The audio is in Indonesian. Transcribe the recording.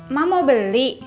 mak mau beli